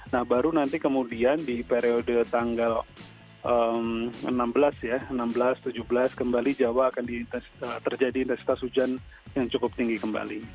nah baru nanti kemudian di periode tanggal enam belas ya enam belas tujuh belas kembali jawa akan terjadi intensitas hujan yang cukup tinggi kembali